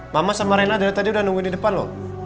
mama sama rena dari tadi udah nunggu di depan loh